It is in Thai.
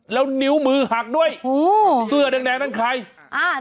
แล้วนิ้วมือหักด้วยโอ้เสื้อแดงแดงนั้นใครอ่า